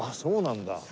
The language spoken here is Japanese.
そうなんだ。